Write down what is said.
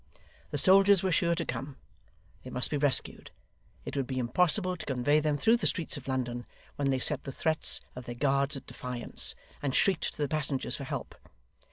The soldiers were sure to come; they must be rescued; it would be impossible to convey them through the streets of London when they set the threats of their guards at defiance, and shrieked to the passengers for help.